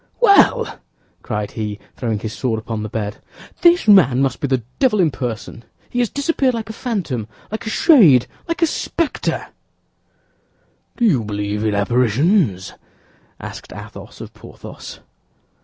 "Well!" cried he, throwing his sword upon the bed, "this man must be the devil in person; he has disappeared like a phantom, like a shade, like a specter." "Do you believe in apparitions?" asked Athos of Porthos.